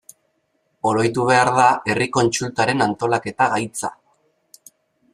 Oroitu behar da herri kontsultaren antolaketa gaitza.